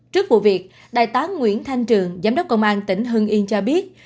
trước vụ việc đại tá nguyễn thanh trường giám đốc công an tỉnh hưng yên cho biết